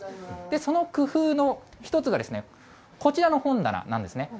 その工夫の一つが、こちらの本棚なんですね。